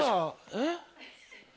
えっ。